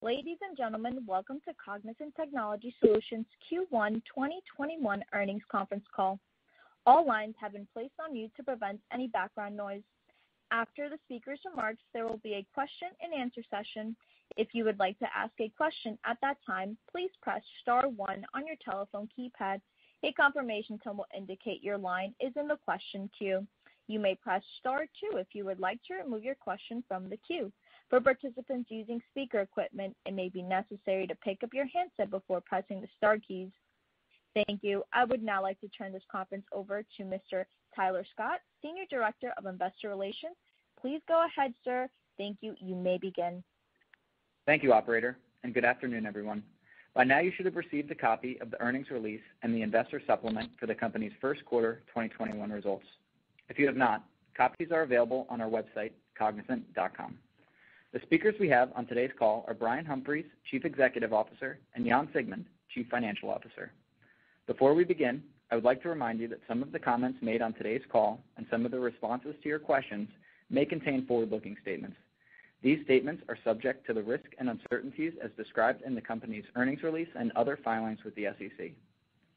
Ladies and gentlemen, welcome to Cognizant Technology Solutions Q1 2021 Earnings Conference Call. All lines have been placed on mute to prevent any background noise after the speakers remarks there will be a question and answer session, if you would like to ask a question at that time, please press star one on your telephone keypad, a confirmation tone will indicate your line is in the question queue, you may press star two if you like to remove your question from the queue for participants using speaker equipment you may pick your handset by pressing star key. Thank you. I would now like to turn this conference over to Mr. Tyler Scott, Senior Director of Investor Relations. Please go ahead, sir. Thank you. You may begin. Thank you, operator, and good afternoon, everyone. By now, you should have received a copy of the earnings release and the investor supplement for the company's first quarter 2021 results. If you have not, copies are available on our website, cognizant.com. The speakers we have on today's call are Brian Humphries, Chief Executive Officer, and Jan Siegmund, Chief Financial Officer. Before we begin, I would like to remind you that some of the comments made on today's call and some of the responses to your questions may contain forward-looking statements. These statements are subject to the risk and uncertainties as described in the company's earnings release and other filings with the SEC.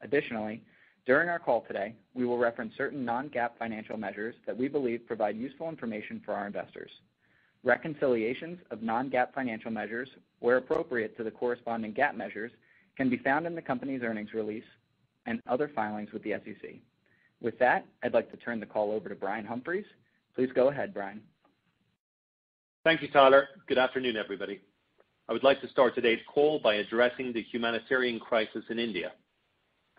Additionally, during our call today, we will reference certain non-GAAP financial measures that we believe provide useful information for our investors. Reconciliations of non-GAAP financial measures, where appropriate to the corresponding GAAP measures, can be found in the company's earnings release and other filings with the SEC. With that, I'd like to turn the call over to Brian Humphries. Please go ahead, Brian. Thank you, Tyler. Good afternoon, everybody. I would like to start today's call by addressing the humanitarian crisis in India.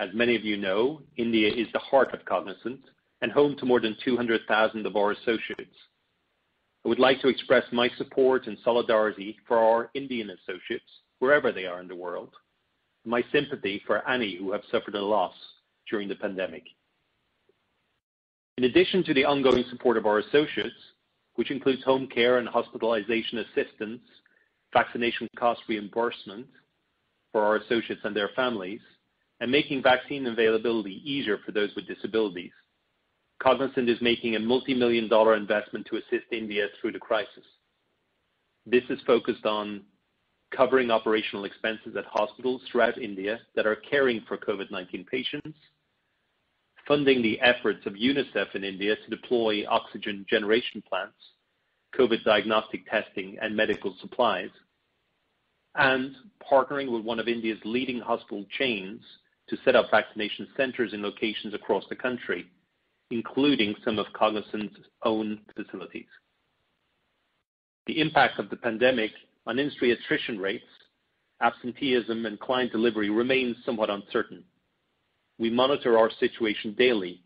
As many of you know, India is the heart of Cognizant and home to more than 200,000 of our associates. I would like to express my support and solidarity for our Indian associates wherever they are in the world, my sympathy for any who have suffered a loss during the pandemic. In addition to the ongoing support of our associates, which includes home care and hospitalization assistance, vaccination cost reimbursement for our associates and their families, and making vaccine availability easier for those with disabilities, Cognizant is making a multimillion-dollar investment to assist India through the crisis. This is focused on covering operational expenses at hospitals throughout India that are caring for COVID-19 patients, funding the efforts of UNICEF in India to deploy oxygen generation plants, COVID diagnostic testing, and medical supplies, and partnering with one of India's leading hospital chains to set up vaccination centers in locations across the country, including some of Cognizant's own facilities. The impact of the pandemic on industry attrition rates, absenteeism, and client delivery remains somewhat uncertain. We monitor our situation daily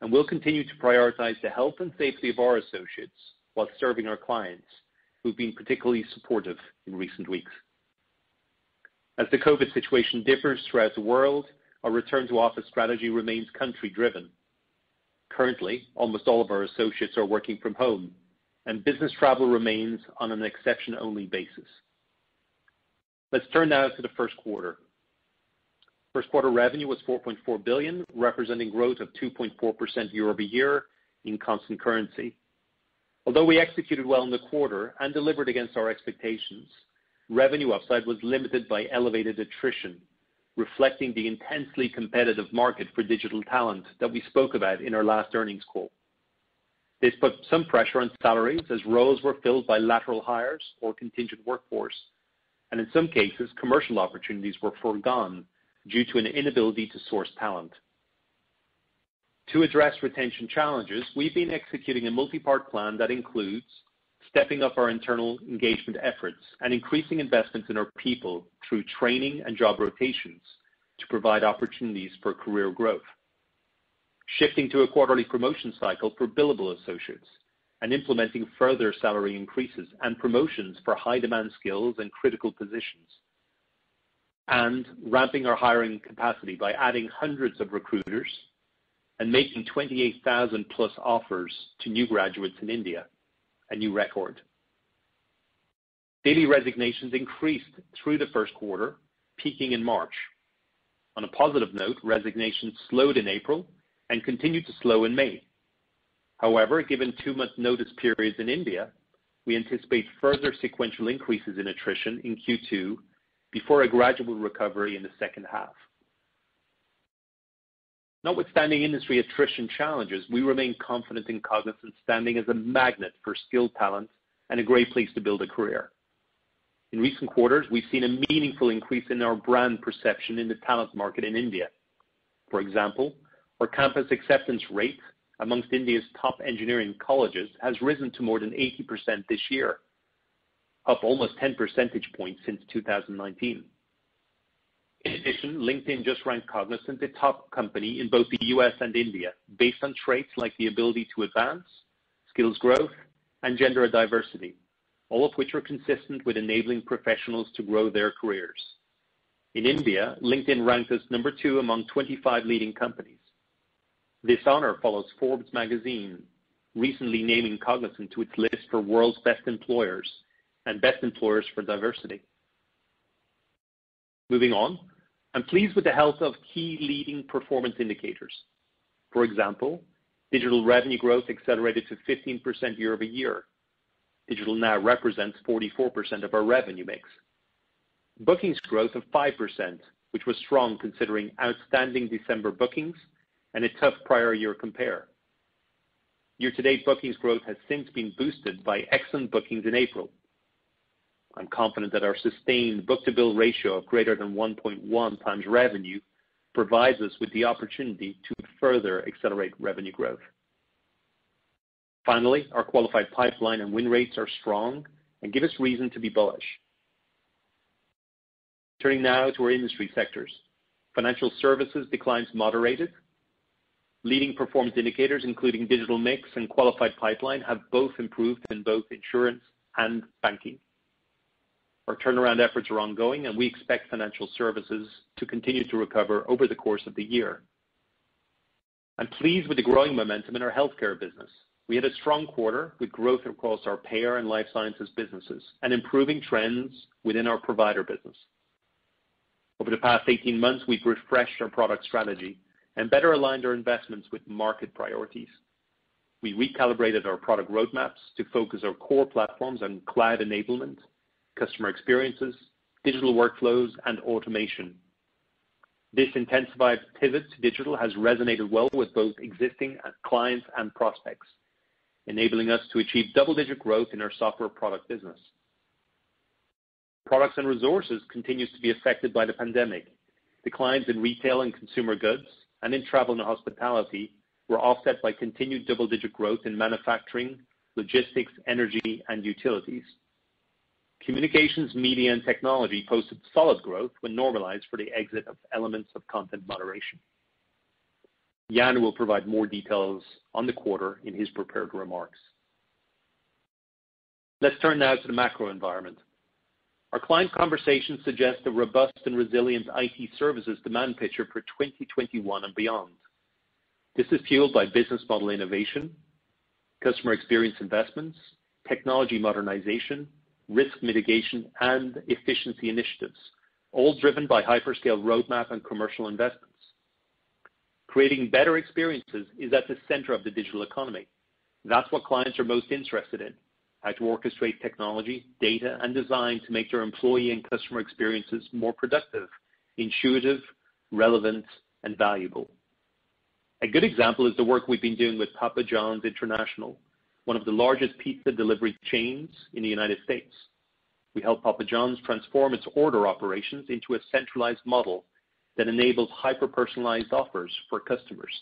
and will continue to prioritize the health and safety of our associates while serving our clients, who've been particularly supportive in recent weeks. As the COVID situation differs throughout the world, our return-to-office strategy remains country-driven. Currently, almost all of our associates are working from home, and business travel remains on an exception-only basis. Let's turn now to the first quarter. First quarter revenue was $4.4 billion, representing growth of 2.4% year-over-year in constant currency. Although we executed well in the quarter and delivered against our expectations, revenue upside was limited by elevated attrition, reflecting the intensely competitive market for digital talent that we spoke about in our last earnings call. This put some pressure on salaries as roles were filled by lateral hires or contingent workforce, and in some cases, commercial opportunities were forgone due to an inability to source talent. To address retention challenges, we've been executing a multi-part plan that includes stepping up our internal engagement efforts and increasing investments in our people through training and job rotations to provide opportunities for career growth, shifting to a quarterly promotion cycle for billable associates, and implementing further salary increases and promotions for high-demand skills and critical positions, and ramping our hiring capacity by adding hundreds of recruiters and making 28,000-plus offers to new graduates in India, a new record. Daily resignations increased through the first quarter, peaking in March. On a positive note, resignations slowed in April and continued to slow in May. However, given two-month notice periods in India, we anticipate further sequential increases in attrition in Q2 before a gradual recovery in the second half. Notwithstanding industry attrition challenges, we remain confident in Cognizant's standing as a magnet for skilled talent and a great place to build a career. In recent quarters, we've seen a meaningful increase in our brand perception in the talent market in India. For example, our campus acceptance rate amongst India's top engineering colleges has risen to more than 80% this year, up almost 10 percentage points since 2019. In addition, LinkedIn just ranked Cognizant a top company in both the U.S. and India based on traits like the ability to advance, skills growth, and gender diversity, all of which are consistent with enabling professionals to grow their careers. In India, LinkedIn ranked us number two among 25 leading companies. This honor follows Forbes magazine recently naming Cognizant to its list for World's Best Employers and Best Employers for Diversity. Moving on. I'm pleased with the health of key leading performance indicators. For example, digital revenue growth accelerated to 15% year-over-year. Digital now represents 44% of our revenue mix. Bookings growth of 5%, which was strong considering outstanding December bookings and a tough prior year compare. Year-to-date bookings growth has since been boosted by excellent bookings in April. I'm confident that our sustained book-to-bill ratio of greater than 1.1 times revenue provides us with the opportunity to further accelerate revenue growth. Finally, our qualified pipeline and win rates are strong and give us reason to be bullish. Turning now to our industry sectors. Financial services declines moderated. Leading performance indicators, including digital mix and qualified pipeline, have both improved in both insurance and banking. Our turnaround efforts are ongoing, and we expect financial services to continue to recover over the course of the year. I'm pleased with the growing momentum in our healthcare business. We had a strong quarter with growth across our payer and life sciences businesses, and improving trends within our provider business. Over the past 18 months, we've refreshed our product strategy and better aligned our investments with market priorities. We recalibrated our product roadmaps to focus our core platforms on cloud enablement, customer experiences, digital workflows, and automation. This intensified pivot to digital has resonated well with both existing clients and prospects, enabling us to achieve double-digit growth in our software product business. Products and resources continues to be affected by the pandemic. Declines in retail and consumer goods and in travel and hospitality were offset by continued double-digit growth in manufacturing, logistics, energy, and utilities. Communications, media, and technology posted solid growth when normalized for the exit of elements of content moderation. Jan will provide more details on the quarter in his prepared remarks. Let's turn now to the macro environment. Our client conversations suggest a robust and resilient IT services demand picture for 2021 and beyond. This is fueled by business model innovation, customer experience investments, technology modernization, risk mitigation, and efficiency initiatives, all driven by hyperscale roadmap and commercial investments. Creating better experiences is at the center of the digital economy. That's what clients are most interested in, how to orchestrate technology, data, and design to make their employee and customer experiences more productive, intuitive, relevant, and valuable. A good example is the work we've been doing with Papa John's International, one of the largest pizza delivery chains in the United States. We helped Papa John's transform its order operations into a centralized model that enables hyper-personalized offers for customers.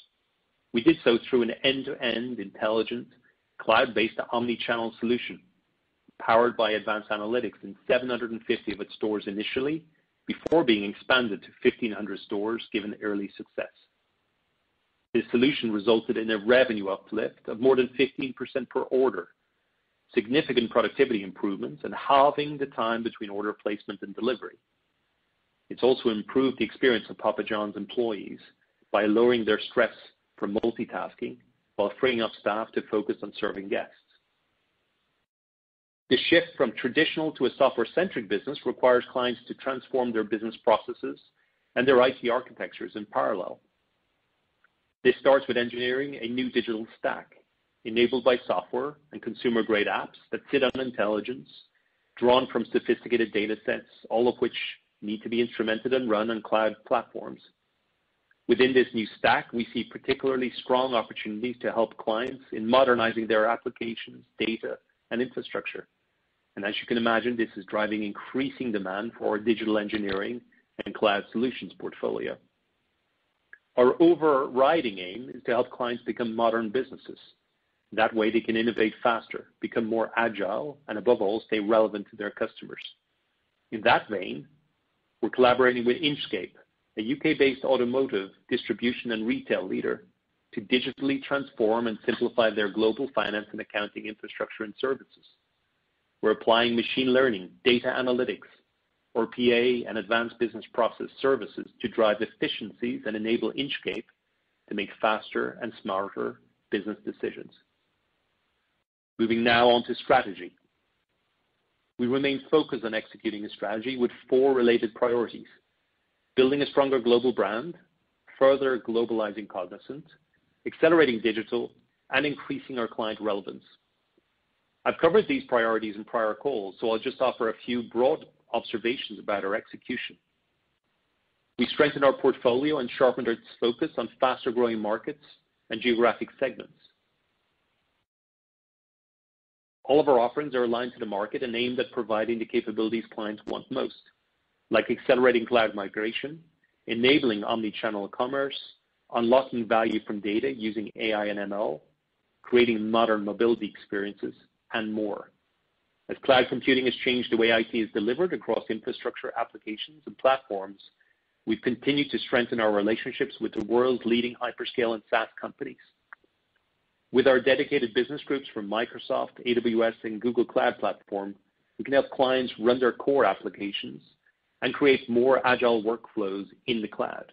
We did so through an end-to-end intelligent, cloud-based omnichannel solution, powered by advanced analytics in 750 of its stores initially, before being expanded to 1,500 stores given early success. This solution resulted in a revenue uplift of more than 15% per order, significant productivity improvements, and halving the time between order placement and delivery. It's also improved the experience of Papa John's employees by lowering their stress from multitasking while freeing up staff to focus on serving guests. The shift from traditional to a software-centric business requires clients to transform their business processes and their IT architectures in parallel. This starts with engineering a new digital stack enabled by software and consumer-grade apps that sit on intelligence drawn from sophisticated datasets, all of which need to be instrumented and run on cloud platforms. Within this new stack, we see particularly strong opportunities to help clients in modernizing their applications, data, and infrastructure. As you can imagine, this is driving increasing demand for our digital engineering and cloud solutions portfolio. Our overriding aim is to help clients become modern businesses. That way, they can innovate faster, become more agile, and above all, stay relevant to their customers. In that vein, we're collaborating with Inchcape, a U.K.-based automotive distribution and retail leader, to digitally transform and simplify their global finance and accounting infrastructure and services. We're applying machine learning, data analytics, RPA, and advanced business process services to drive efficiencies and enable Inchcape to make faster and smarter business decisions. Moving now on to strategy. We remain focused on executing a strategy with four related priorities, building a stronger global brand, further globalizing Cognizant, accelerating digital, and increasing our client relevance. I've covered these priorities in prior calls, so I'll just offer a few broad observations about our execution. We strengthened our portfolio and sharpened our focus on faster-growing markets and geographic segments. All of our offerings are aligned to the market and aimed at providing the capabilities clients want most, like accelerating cloud migration, enabling omnichannel commerce, unlocking value from data using AI and ML, creating modern mobility experiences, and more. As cloud computing has changed the way IT is delivered across infrastructure applications and platforms, we've continued to strengthen our relationships with the world's leading hyperscale and SaaS companies. With our dedicated business groups from Microsoft, AWS, and Google Cloud Platform, we can help clients run their core applications and create more agile workflows in the cloud.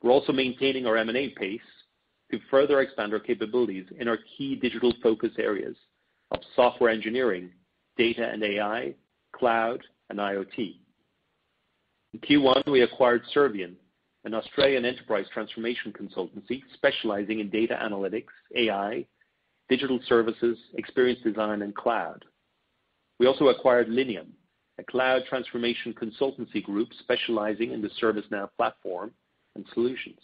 We're also maintaining our M&A pace to further expand our capabilities in our key digital focus areas of software engineering, data and AI, cloud, and IoT. In Q1, we acquired Servian, an Australian enterprise transformation consultancy specializing in data analytics, AI, digital services, experience design, and cloud. We also acquired Linium, a cloud transformation consultancy group specializing in the ServiceNow platform and solutions.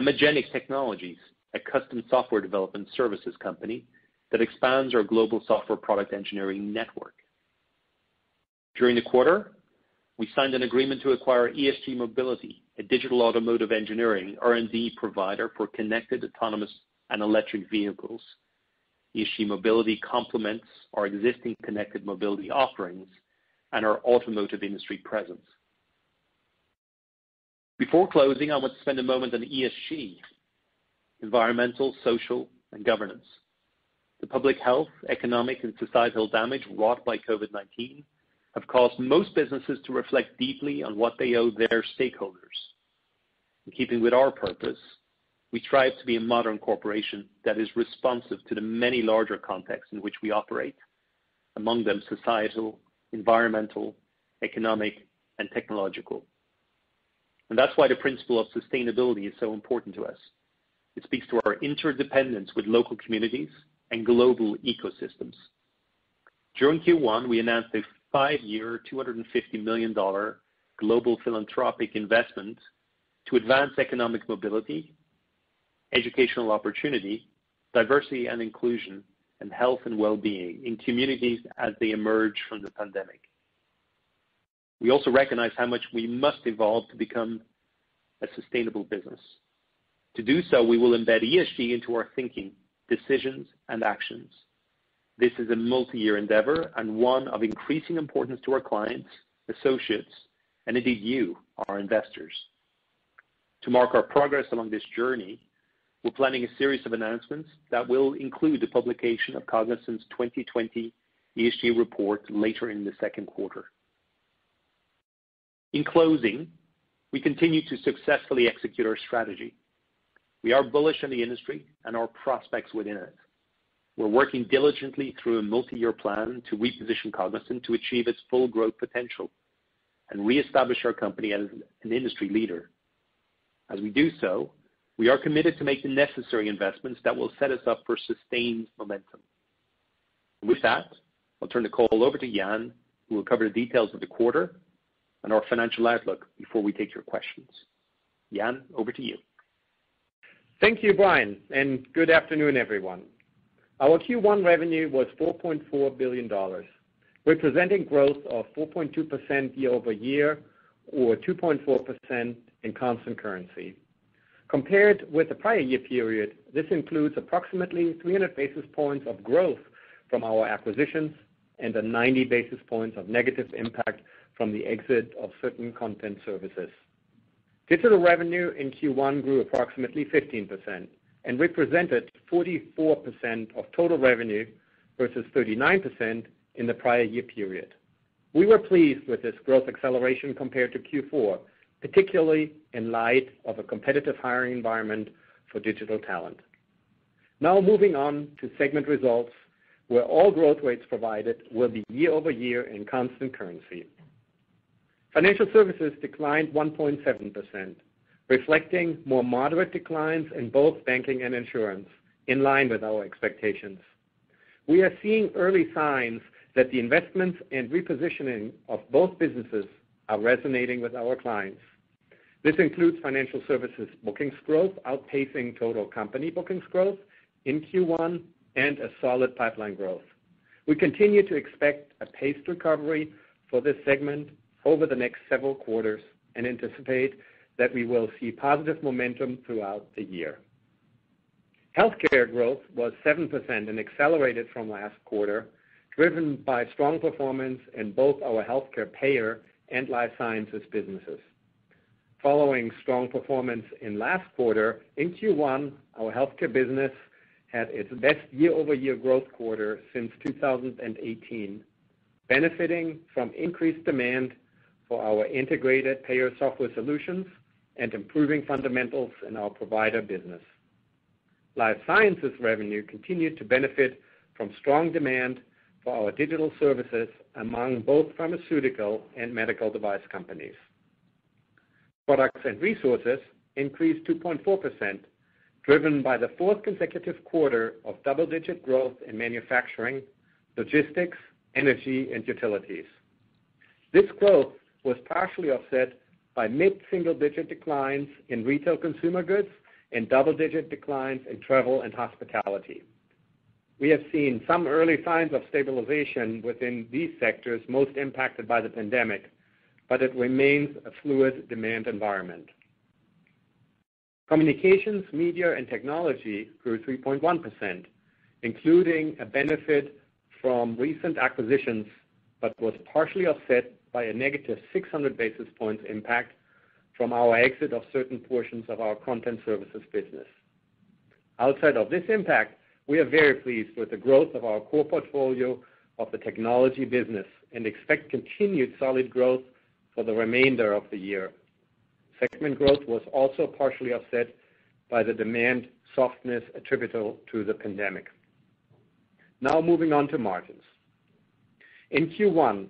Magenic Technologies, a custom software development services company that expands our global software product engineering network. During the quarter, we signed an agreement to acquire ESG Mobility, a digital automotive engineering R&D provider for connected, autonomous, and electric vehicles. ESG Mobility complements our existing connected mobility offerings and our automotive industry presence. Before closing, I want to spend a moment on ESG, environmental, social, and governance. The public health, economic, and societal damage wrought by COVID-19 have caused most businesses to reflect deeply on what they owe their stakeholders. In keeping with our purpose, we strive to be a modern corporation that is responsive to the many larger contexts in which we operate, among them societal, environmental, economic, and technological. That's why the principle of sustainability is so important to us. It speaks to our interdependence with local communities and global ecosystems. During Q1, we announced a five-year, $250 million global philanthropic investment to advance economic mobility, educational opportunity, diversity and inclusion, and health and wellbeing in communities as they emerge from the pandemic. We also recognize how much we must evolve to become a sustainable business. To do so, we will embed ESG into our thinking, decisions, and actions. This is a multi-year endeavor and one of increasing importance to our clients, associates, and indeed, you, our investors. To mark our progress along this journey, we're planning a series of announcements that will include the publication of Cognizant's 2020 ESG report later in the second quarter. In closing, we continue to successfully execute our strategy. We are bullish on the industry and our prospects within it. We're working diligently through a multi-year plan to reposition Cognizant to achieve its full growth potential and reestablish our company as an industry leader. As we do so, we are committed to make the necessary investments that will set us up for sustained momentum. With that, I'll turn the call over to Jan, who will cover the details of the quarter and our financial outlook before we take your questions. Jan, over to you. Thank you, Brian, and good afternoon, everyone. Our Q1 revenue was $4.4 billion, representing growth of 4.2% year-over-year or 2.4% in constant currency. Compared with the prior year period, this includes approximately 300 basis points of growth from our acquisitions and a 90 basis points of negative impact from the exit of certain content services. Digital revenue in Q1 grew approximately 15% and represented 44% of total revenue versus 39% in the prior year period. We were pleased with this growth acceleration compared to Q4, particularly in light of a competitive hiring environment for digital talent. Now moving on to segment results, where all growth rates provided will be year-over-year in constant currency. Financial services declined 1.7%, reflecting more moderate declines in both banking and insurance, in line with our expectations. We are seeing early signs that the investments and repositioning of both businesses are resonating with our clients. This includes financial services bookings growth outpacing total company bookings growth in Q1 and a solid pipeline growth. We continue to expect a paced recovery for this segment over the next several quarters and anticipate that we will see positive momentum throughout the year. Healthcare growth was 7% and accelerated from last quarter, driven by strong performance in both our healthcare payer and life sciences businesses. Following strong performance in last quarter, in Q1, our healthcare business had its best year-over-year growth quarter since 2018, benefiting from increased demand for our integrated payer software solutions and improving fundamentals in our provider business. Life sciences revenue continued to benefit from strong demand for our digital services among both pharmaceutical and medical device companies. Products and resources increased 2.4%, driven by the fourth consecutive quarter of double-digit growth in manufacturing, logistics, energy, and utilities. This growth was partially offset by mid-single-digit declines in retail consumer goods and double-digit declines in travel and hospitality. We have seen some early signs of stabilization within these sectors most impacted by the pandemic, but it remains a fluid demand environment. Communications, media, and technology grew 3.1%, including a benefit from recent acquisitions, but was partially offset by a negative 600 basis points impact from our exit of certain portions of our content services business. Outside of this impact, we are very pleased with the growth of our core portfolio of the technology business and expect continued solid growth for the remainder of the year. Segment growth was also partially offset by the demand softness attributable to the pandemic. Now moving on to margins. In Q1,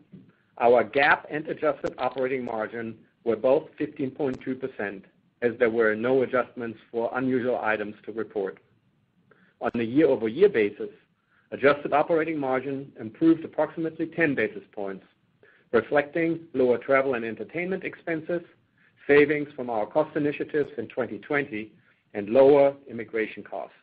our GAAP and adjusted operating margin were both 15.2%, as there were no adjustments for unusual items to report. On a year-over-year basis, adjusted operating margin improved approximately 10 basis points, reflecting lower travel and entertainment expenses, savings from our cost initiatives in 2020, and lower immigration costs.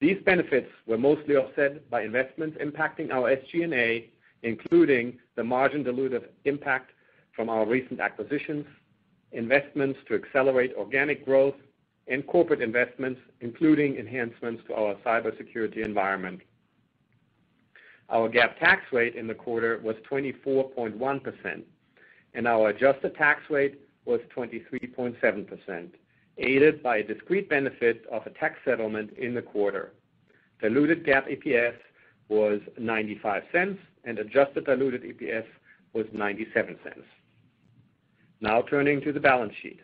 These benefits were mostly offset by investments impacting our SG&A, including the margin dilutive impact from our recent acquisitions, investments to accelerate organic growth, and corporate investments, including enhancements to our cybersecurity environment. Our GAAP tax rate in the quarter was 24.1%, and our adjusted tax rate was 23.7%, aided by a discrete benefit of a tax settlement in the quarter. Diluted GAAP EPS was $0.95, and adjusted diluted EPS was $0.97. Now turning to the balance sheet.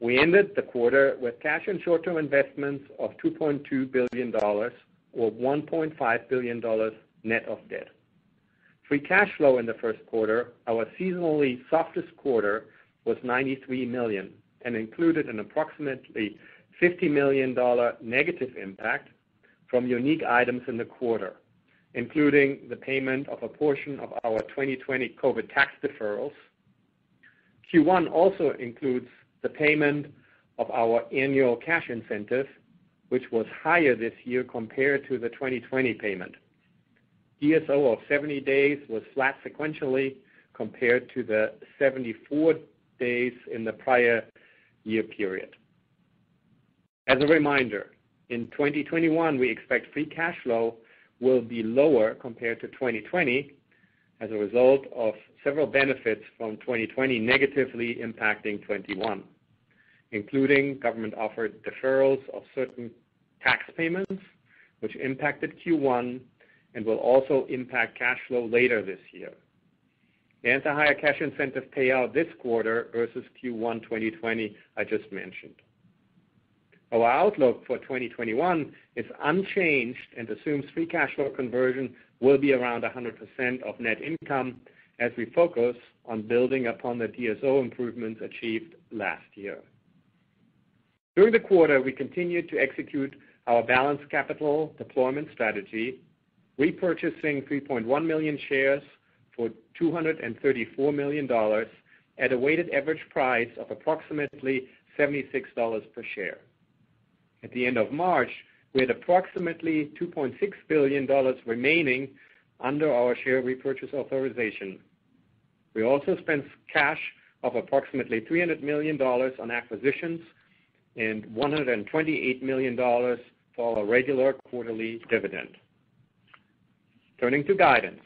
We ended the quarter with cash and short-term investments of $2.2 billion, or $1.5 billion net of debt. Free cash flow in the first quarter, our seasonally softest quarter, was $93 million and included an approximately $50 million negative impact from unique items in the quarter, including the payment of a portion of our 2020 COVID tax deferrals. Q1 also includes the payment of our annual cash incentive, which was higher this year compared to the 2020 payment. DSO of 70 days was flat sequentially compared to the 74 days in the prior year period. As a reminder, in 2021, we expect free cash flow will be lower compared to 2020 as a result of several benefits from 2020 negatively impacting 2021, including government-offered deferrals of certain tax payments, which impacted Q1 and will also impact cash flow later this year, and the higher cash incentive payout this quarter versus Q1 2020, I just mentioned. Our outlook for 2021 is unchanged and assumes free cash flow conversion will be around 100% of net income as we focus on building upon the DSO improvements achieved last year. During the quarter, we continued to execute our balanced capital deployment strategy, repurchasing 3.1 million shares for $234 million at a weighted average price of approximately $76 per share. At the end of March, we had approximately $2.6 billion remaining under our share repurchase authorization. We also spent cash of approximately $300 million on acquisitions and $128 million for our regular quarterly dividend. Turning to guidance.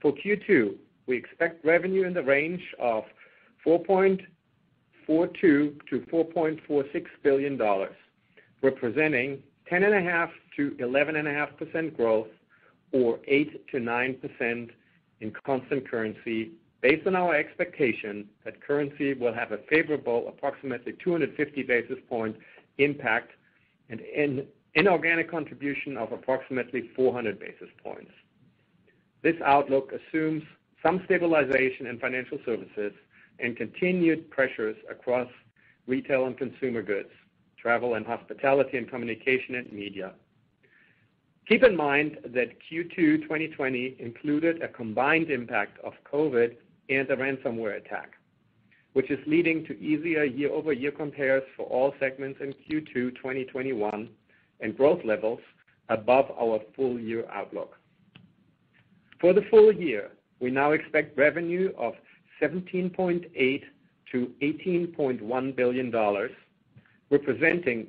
For Q2, we expect revenue in the range of $4.42 billion-$4.46 billion, representing 10.5%-11.5% growth, or 8%-9% in constant currency, based on our expectation that currency will have a favorable approximately 250 basis point impact and inorganic contribution of approximately 400 basis points. This outlook assumes some stabilization in financial services and continued pressures across retail and consumer goods, travel and hospitality, and communication and media. Keep in mind that Q2 2020 included a combined impact of COVID-19 and a ransomware attack, which is leading to easier year-over-year compares for all segments in Q2 2021 and growth levels above our full-year outlook. For the full year, we now expect revenue of $17.8 billion-$18.1 billion, representing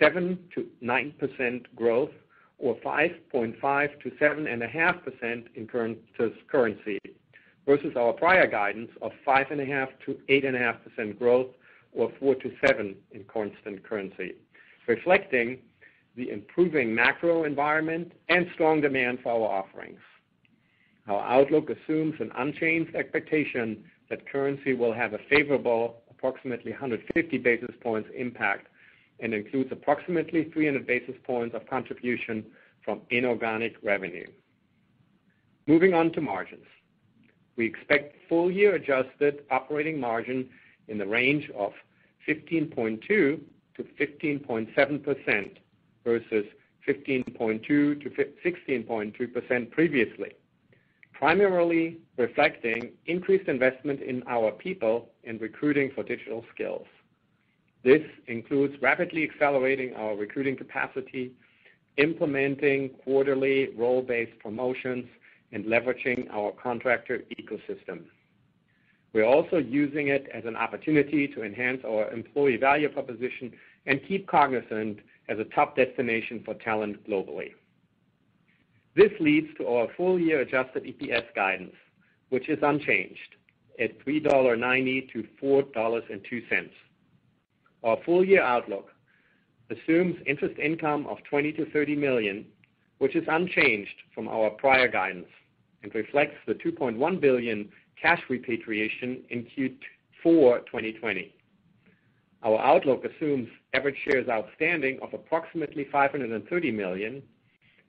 7%-9% growth or 5.5%-7.5% in constant currency versus our prior guidance of 5.5%-8.5% growth or 4%-7% in constant currency, reflecting the improving macro environment and strong demand for our offerings. Our outlook assumes an unchanged expectation that currency will have a favorable approximately 150 basis points impact and includes approximately 300 basis points of contribution from inorganic revenue. Moving on to margins. We expect full-year adjusted operating margin in the range of 15.2%-15.7% versus 15.2%-16.3% previously, primarily reflecting increased investment in our people and recruiting for digital skills. This includes rapidly accelerating our recruiting capacity, implementing quarterly role-based promotions, and leveraging our contractor ecosystem. We're also using it as an opportunity to enhance our employee value proposition and keep Cognizant as a top destination for talent globally. This leads to our full-year adjusted EPS guidance, which is unchanged at $3.90-$4.02. Our full-year outlook assumes interest income of $20 million-$30 million, which is unchanged from our prior guidance and reflects the $2.1 billion cash repatriation in Q4 2020. Our outlook assumes average shares outstanding of approximately 530 million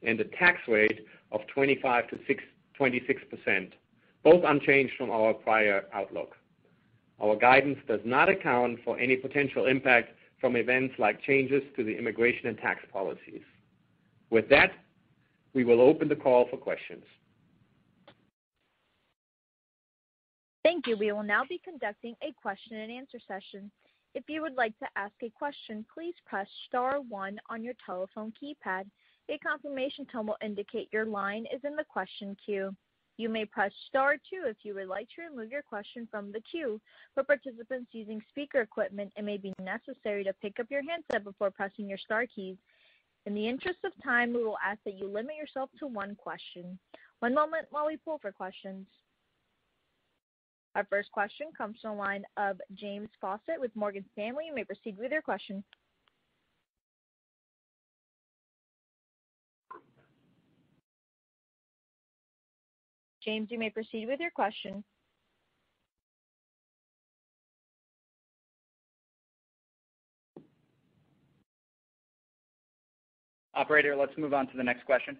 and a tax rate of 25%-26%, both unchanged from our prior outlook. Our guidance does not account for any potential impact from events like changes to the immigration and tax policies. With that, we will open the call for questions. Thank you. We will now be conducting a question and answer session. If you would like to ask a question, please press star one on your telephone keypad. A confirmation tone will indicate your line is in the question queue. You may press star two if you would like to remove your question from the queue. For participants using speaker equipment, it may be necessary to pick up your handset before pressing your star keys. In the interest of time, we will ask that you limit yourself to one question. One moment while we poll for questions. Our first question comes from the line of James Faucette with Morgan Stanley. You may proceed with your question. James, you may proceed with your question. Operator, let's move on to the next question.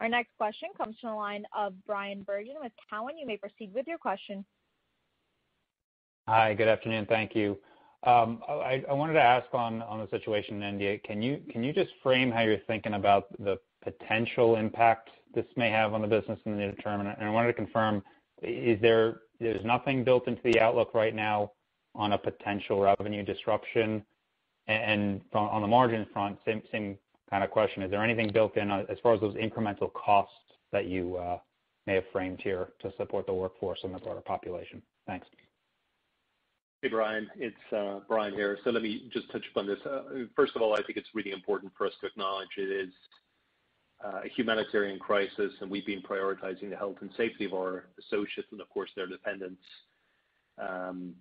Our next question comes from the line of Bryan Bergin with Cowen. You may proceed with your question. Hi, good afternoon. Thank you. I wanted to ask on the situation in India, can you just frame how you're thinking about the potential impact this may have on the business in the near-term? I wanted to confirm, there's nothing built into the outlook right now on a potential revenue disruption? On the margin front, same kind of question, is there anything built in as far as those incremental costs that you may have framed here to support the workforce and the broader population? Thanks. Hey, Brian, it's Brian here. Let me just touch upon this. First of all, I think it's really important for us to acknowledge it is a humanitarian crisis, and we've been prioritizing the health and safety of our associates and, of course, their dependents, and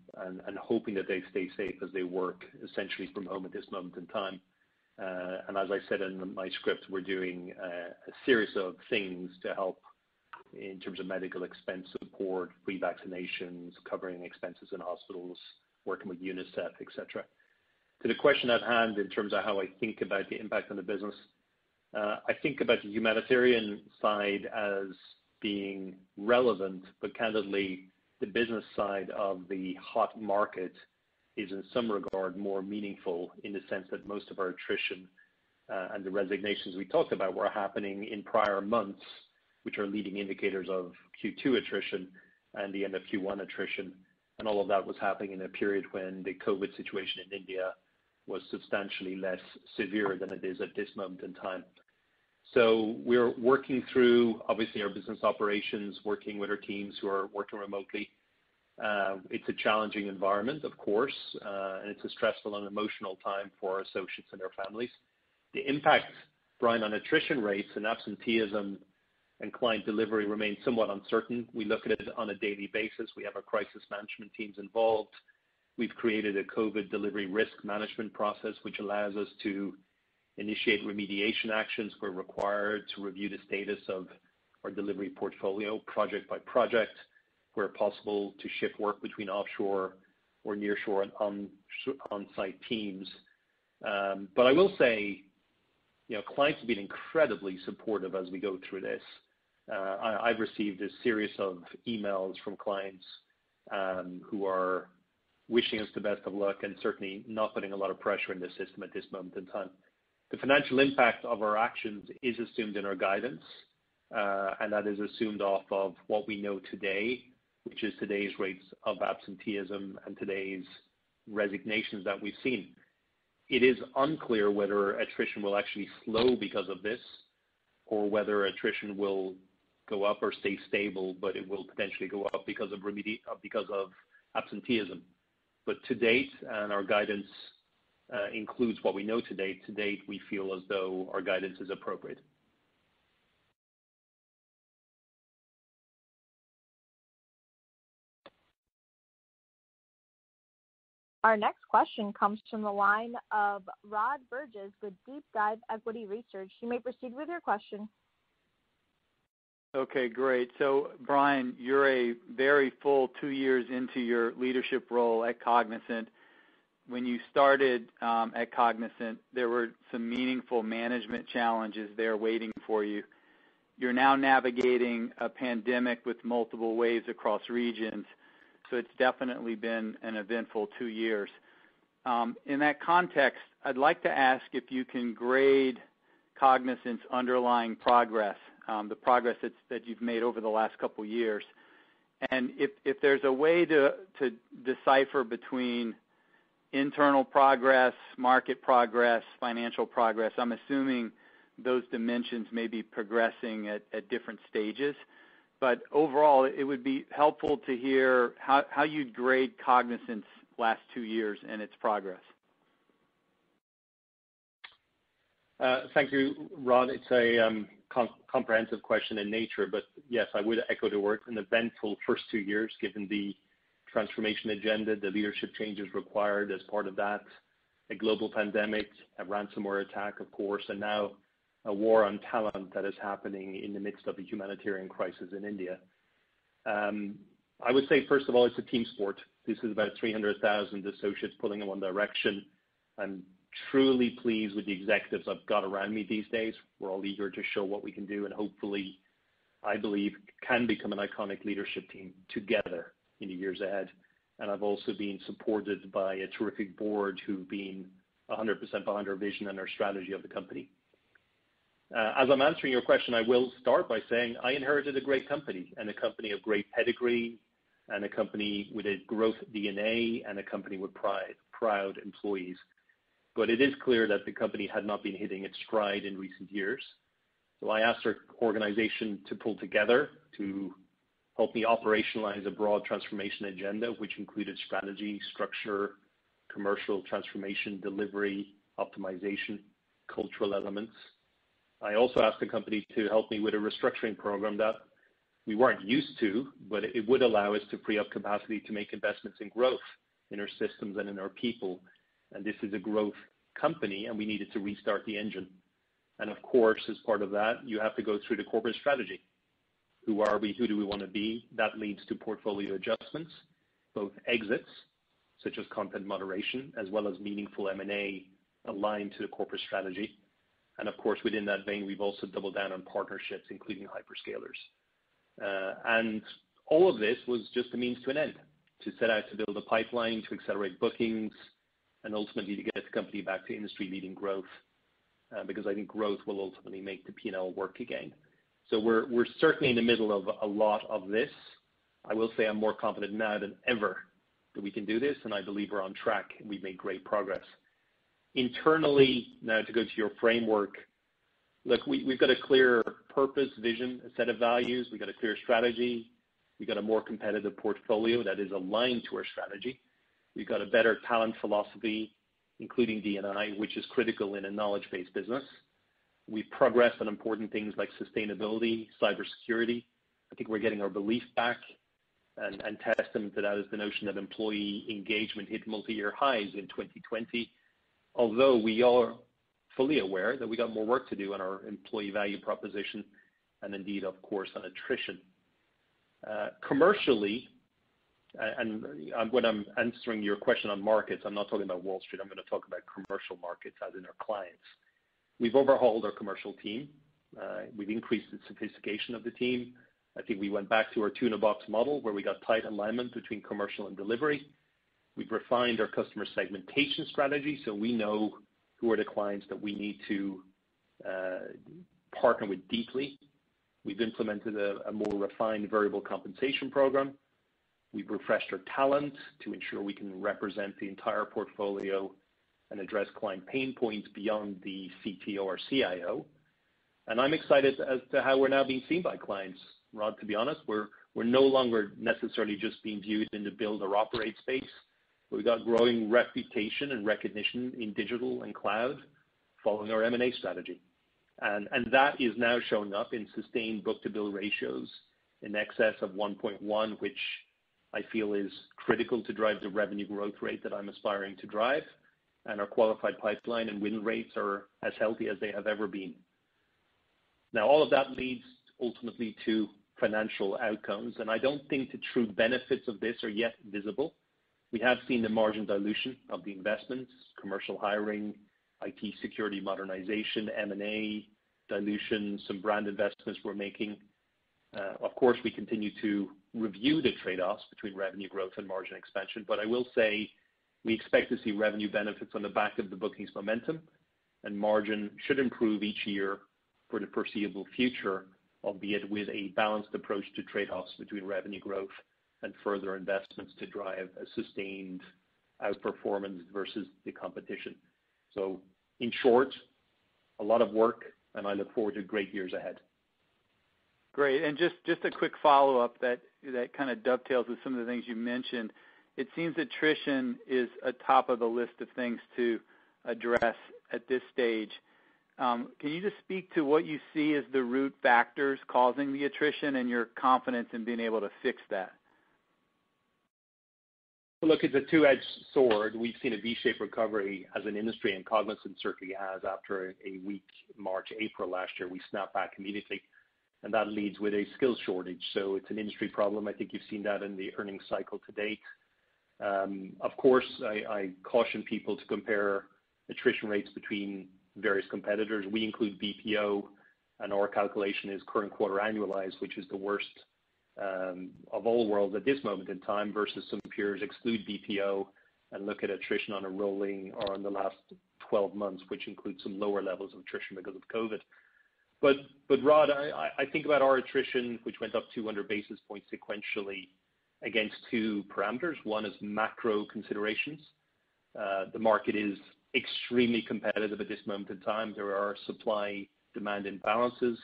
hoping that they stay safe as they work essentially from home at this moment in time. As I said in my script, we're doing a series of things to help in terms of medical expense support, free vaccinations, covering expenses in hospitals, working with UNICEF, et cetera. To the question at hand in terms of how I think about the impact on the business, I think about the humanitarian side as being relevant. Candidly, the business side of the hot market is in some regard more meaningful in the sense that most of our attrition and the resignations we talked about were happening in prior months, which are leading indicators of Q2 attrition and the end of Q1 attrition. All of that was happening in a period when the COVID situation in India was substantially less severe than it is at this moment in time. We're working through, obviously, our business operations, working with our teams who are working remotely. It's a challenging environment, of course, and it's a stressful and emotional time for our associates and their families. The impact, Brian, on attrition rates and absenteeism and client delivery remains somewhat uncertain. We look at it on a daily basis. We have our crisis management teams involved. We've created a COVID delivery risk management process, which allows us to initiate remediation actions where required to review the status of our delivery portfolio project by project, where possible, to shift work between offshore or nearshore and on-site teams. I will say, clients have been incredibly supportive as we go through this. I've received a series of emails from clients who are wishing us the best of luck and certainly not putting a lot of pressure in the system at this moment in time. The financial impact of our actions is assumed in our guidance, and that is assumed off of what we know today, which is today's rates of absenteeism and today's resignations that we've seen. It is unclear whether attrition will actually slow because of this, or whether attrition will go up or stay stable, but it will potentially go up because of absenteeism. To date, and our guidance includes what we know to date, to date, we feel as though our guidance is appropriate. Our next question comes from the line of Rod Bourgeois with DeepDive Equity Research. You may proceed with your question. Okay, great. Brian, you're a very full two years into your leadership role at Cognizant. When you started at Cognizant, there were some meaningful management challenges there waiting for you. You're now navigating a pandemic with multiple waves across regions, it's definitely been an eventful two years. In that context, I'd like to ask if you can grade Cognizant's underlying progress, the progress that you've made over the last couple of years. If there's a way to decipher between internal progress, market progress, financial progress. I'm assuming those dimensions may be progressing at different stages. Overall, it would be helpful to hear how you'd grade Cognizant's last two years and its progress. Thank you, Rod. It's a comprehensive question in nature, but yes, I would echo the words, an eventful first two years, given the transformation agenda, the leadership changes required as part of that, a global pandemic, a ransomware attack, of course, and now a war on talent that is happening in the midst of a humanitarian crisis in India. I would say, first of all, it's a team sport. This is about 300,000 associates pulling in one direction. I'm truly pleased with the executives I've got around me these days. We're all eager to show what we can do, and hopefully, I believe, can become an iconic leadership team together in the years ahead. I've also been supported by a terrific board who've been 100% behind our vision and our strategy of the company. As I'm answering your question, I will start by saying, I inherited a great company, and a company of great pedigree, and a company with a growth DNA, and a company with proud employees. It is clear that the company had not been hitting its stride in recent years. I asked our organization to pull together to help me operationalize a broad transformation agenda, which included strategy, structure, commercial transformation, delivery, optimization, cultural elements. I also asked the company to help me with a restructuring program that we weren't used to, but it would allow us to free up capacity to make investments in growth in our systems and in our people. This is a growth company, and we needed to restart the engine. Of course, as part of that, you have to go through the corporate strategy. Who are we? Who do we want to be? That leads to portfolio adjustments, both exits, such as content moderation, as well as meaningful M&A aligned to the corporate strategy. Of course, within that vein, we've also doubled down on partnerships, including hyperscalers. All of this was just a means to an end, to set out to build a pipeline, to accelerate bookings, and ultimately, to get the company back to industry-leading growth, because I think growth will ultimately make the P&L work again. We're certainly in the middle of a lot of this. I will say I'm more confident now than ever that we can do this, and I believe we're on track, and we've made great progress. Internally, now to go to your framework, look, we've got a clear purpose, vision, a set of values. We've got a clear strategy. We've got a more competitive portfolio that is aligned to our strategy. We've got a better talent philosophy, including D&I, which is critical in a knowledge-based business. We've progressed on important things like sustainability, cybersecurity. I think we're getting our belief back, and testament to that is the notion of employee engagement hit multi-year highs in 2020. Although we are fully aware that we got more work to do on our employee value proposition, and indeed, of course, on attrition. Commercially, and when I'm answering your question on markets, I'm not talking about Wall Street, I'm going to talk about commercial markets, as in our clients. We've overhauled our commercial team. We've increased the sophistication of the team. I think we went back to our two-in-a-box model, where we got tight alignment between commercial and delivery. We've refined our customer segmentation strategy, so we know who are the clients that we need to partner with deeply. We've implemented a more refined variable compensation program. We've refreshed our talent to ensure we can represent the entire portfolio and address client pain points beyond the CTO or CIO. I'm excited as to how we're now being seen by clients, Rod, to be honest. We're no longer necessarily just being viewed in the build or operate space, but we've got growing reputation and recognition in digital and cloud following our M&A strategy. That is now showing up in sustained book-to-bill ratios in excess of 1.1, which I feel is critical to drive the revenue growth rate that I'm aspiring to drive. Our qualified pipeline and win rates are as healthy as they have ever been. All of that leads ultimately to financial outcomes, and I don't think the true benefits of this are yet visible. We have seen the margin dilution of the investments, commercial hiring, IT security modernization, M&A dilution, some brand investments we're making. Of course, we continue to review the trade-offs between revenue growth and margin expansion. I will say we expect to see revenue benefits on the back of the bookings momentum, and margin should improve each year for the foreseeable future, albeit with a balanced approach to trade-offs between revenue growth and further investments to drive a sustained outperformance versus the competition. In short, a lot of work, and I look forward to great years ahead. Great. Just a quick follow-up that kind of dovetails with some of the things you mentioned. It seems attrition is a top of the list of things to address at this stage. Can you just speak to what you see as the root factors causing the attrition and your confidence in being able to fix that? Look, it's a two-edged sword. We've seen a V-shaped recovery as an industry, and Cognizant certainly has after a weak March, April last year. We snapped back immediately, and that leads with a skills shortage. It's an industry problem. I think you've seen that in the earnings cycle to date. Of course, I caution people to compare attrition rates between various competitors. We include BPO, and our calculation is current quarter annualized, which is the worst of all worlds at this moment in time versus some peers exclude BPO and look at attrition on a rolling or on the last 12 months, which includes some lower levels of attrition because of COVID. Rod, I think about our attrition, which went up 200 basis points sequentially against two parameters. One is macro considerations. The market is extremely competitive at this moment in time. There are supply-demand imbalances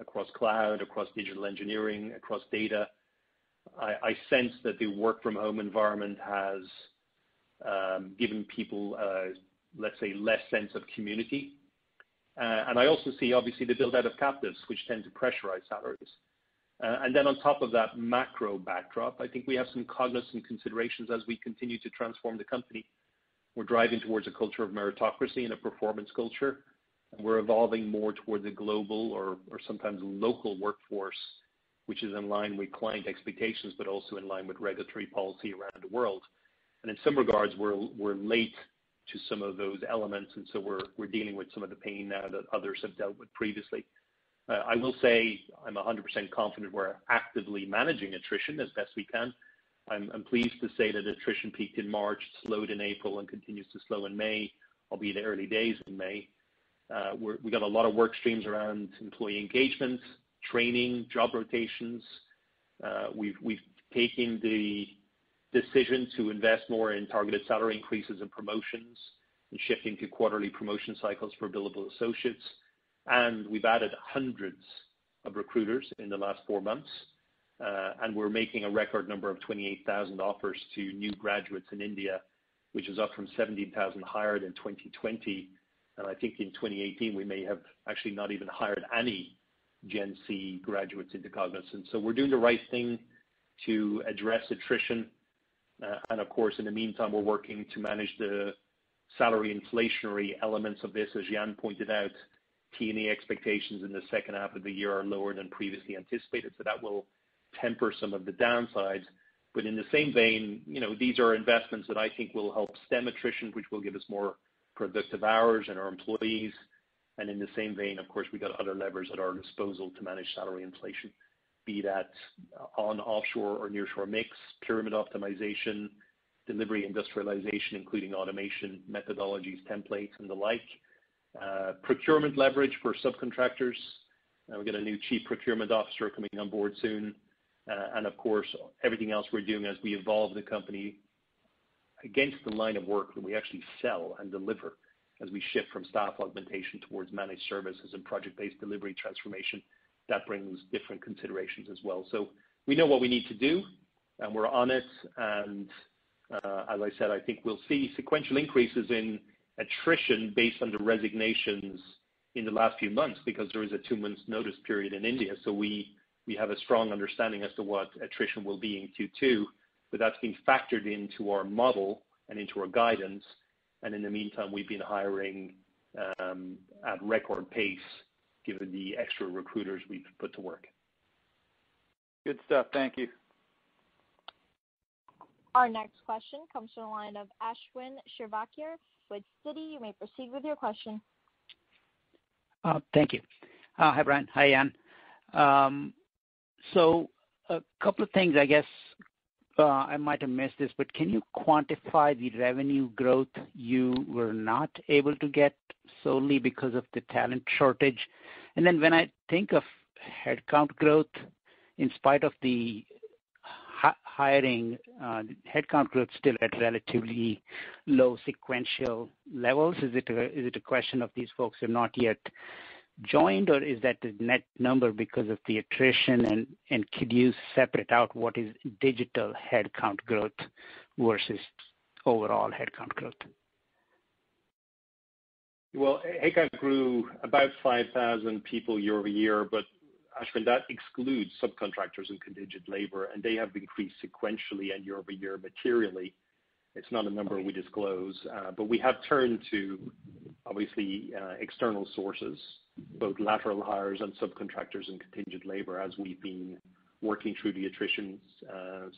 across cloud, across digital engineering, across data. I sense that the work from home environment has given people, let's say, less sense of community. I also see, obviously, the build-out of captives, which tend to pressurize salaries. On top of that macro backdrop, I think we have some Cognizant considerations as we continue to transform the company. We're driving towards a culture of meritocracy and a performance culture. We're evolving more toward the global or sometimes local workforce, which is in line with client expectations, but also in line with regulatory policy around the world. In some regards, we're late to some of those elements, and so we're dealing with some of the pain now that others have dealt with previously. I will say I'm 100% confident we're actively managing attrition as best we can. I'm pleased to say that attrition peaked in March, slowed in April, and continues to slow in May, albeit the early days in May. We've got a lot of work streams around employee engagement, training, job rotations. We've taken the decision to invest more in targeted salary increases and promotions and shifting to quarterly promotion cycles for billable associates. We've added hundreds of recruiters in the last four months, and we're making a record number of 28,000 offers to new graduates in India, which is up from 17,000 hired in 2020. I think in 2018, we may have actually not even hired any GenC graduates into Cognizant. We're doing the right thing to address attrition. Of course, in the meantime, we're working to manage the salary inflationary elements of this. As Jan pointed out, T&E expectations in the second half of the year are lower than previously anticipated, that will temper some of the downsides. In the same vein, these are investments that I think will help stem attrition, which will give us more productive hours and our employees. In the same vein, of course, we've got other levers at our disposal to manage salary inflation, be that on offshore or nearshore mix, pyramid optimization, delivery industrialization, including automation methodologies, templates, and the like, procurement leverage for subcontractors. We've got a new Chief Procurement Officer coming on board soon. Of course, everything else we're doing as we evolve the company against the line of work that we actually sell and deliver as we shift from staff augmentation towards managed services and project-based delivery transformation. That brings different considerations as well. We know what we need to do, and we're on it. As I said, I think we'll see sequential increases in attrition based on the resignations in the last few months because there is a two months notice period in India. We have a strong understanding as to what attrition will be in Q2, but that's being factored into our model and into our guidance. In the meantime, we've been hiring at record pace given the extra recruiters we've put to work. Good stuff. Thank you. Our next question comes from the line of Ashwin Shirvaikar with Citi. You may proceed with your question. Thank you. Hi, Brian. Hi, Jan. A couple of things. I guess, I might have missed this, can you quantify the revenue growth you were not able to get solely because of the talent shortage? When I think of headcount growth, in spite of the hiring, headcount growth still at relatively low sequential levels. Is it a question of these folks have not yet joined, or is that the net number because of the attrition? Could you separate out what is digital headcount growth versus overall headcount growth? Well, headcount grew about 5,000 people year-over-year, but Ashwin, that excludes subcontractors and contingent labor, and they have increased sequentially and year-over-year materially. It's not a number we disclose, but we have turned to, obviously, external sources, both lateral hires and subcontractors and contingent labor as we've been working through the attrition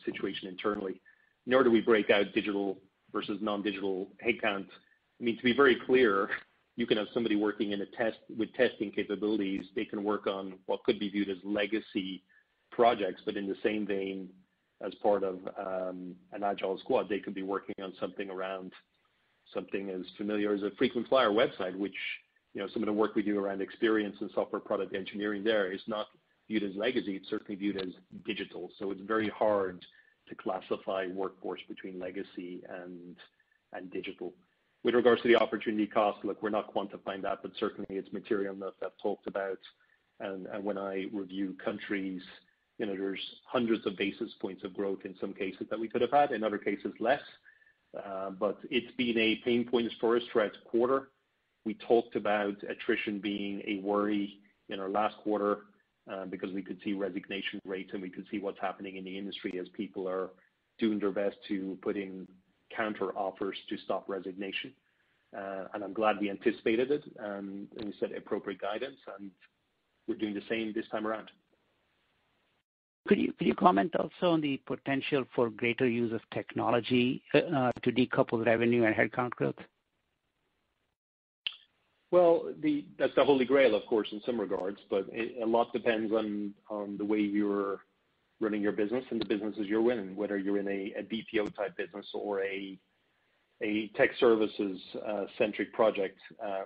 situation internally. Nor do we break out digital versus non-digital headcount. I mean, to be very clear, you can have somebody working with testing capabilities. They can work on what could be viewed as legacy projects, but in the same vein as part of an agile squad, they could be working on something around something as familiar as a frequent flyer website, which some of the work we do around experience and software product engineering there is not viewed as legacy. It's certainly viewed as digital. It's very hard to classify workforce between legacy and digital. With regards to the opportunity cost, we're not quantifying that, but certainly, it's material enough I've talked about. When I review countries, there's hundreds of basis points of growth in some cases that we could have had, in other cases, less. It's been a pain point for us throughout the quarter. We talked about attrition being a worry in our last quarter because we could see resignation rates, and we could see what's happening in the industry as people are doing their best to put in counteroffers to stop resignation. I'm glad we anticipated it, and we set appropriate guidance, and we're doing the same this time around. Could you comment also on the potential for greater use of technology to decouple revenue and headcount growth? Well, that's the Holy Grail, of course, in some regards, but a lot depends on the way you're running your business and the businesses you're in, whether you're in a BPO type business or a tech services centric project.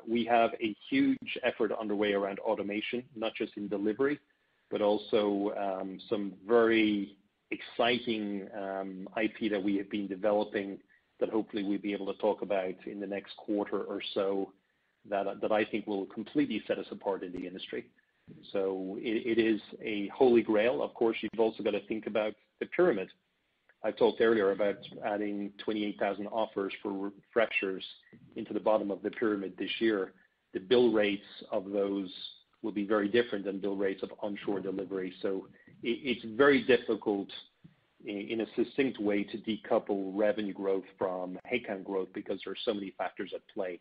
We have a huge effort underway around automation, not just in delivery, but also some very exciting IP that we have been developing that hopefully we'll be able to talk about in the next quarter or so. That I think will completely set us apart in the industry. It is a holy grail. Of course, you've also got to think about the pyramid. I talked earlier about adding 28,000 offers for fresh graduates into the bottom of the pyramid this year. The bill rates of those will be very different than bill rates of onshore delivery. It's very difficult in a succinct way to decouple revenue growth from head count growth because there are so many factors at play.